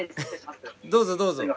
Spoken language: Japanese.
どうぞどうぞ。